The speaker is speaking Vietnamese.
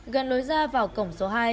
gần lối ra vào cổng số hai